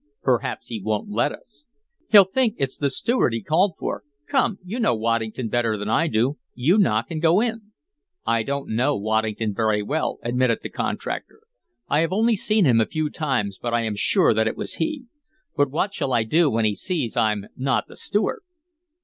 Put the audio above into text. "Perhaps he won't let us." "He'll think it's the steward he called for. Come, you know Waddington better than I do. You knock and go in." "I don't know Waddington very well," admitted the contractor. "I have only seen him a few times, but I am sure that was he. But what shall I do when he sees I'm not the steward?"